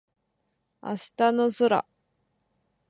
明日の空